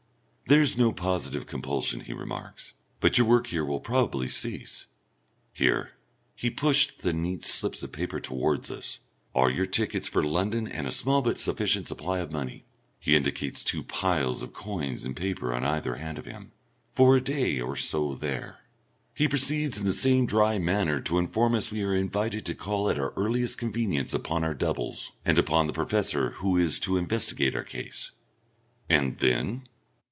"There's no positive compulsion," he remarks, "but your work here will probably cease. Here " he pushed the neat slips of paper towards us "are your tickets for London, and a small but sufficient supply of money," he indicates two piles of coins and paper on either hand of him "for a day or so there." He proceeds in the same dry manner to inform us we are invited to call at our earliest convenience upon our doubles, and upon the Professor, who is to investigate our case. "And then?"